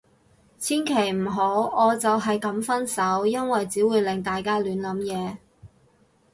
千祈唔好，我就係噉分手。因為只會令大家亂諗嘢